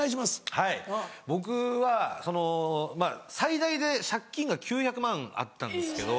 はい僕はそのまぁ最大で借金が９００万あったんですけど。